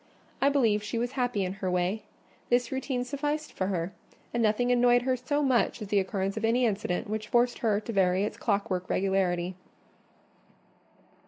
I believe she was happy in her way: this routine sufficed for her; and nothing annoyed her so much as the occurrence of any incident which forced her to vary its clockwork regularity.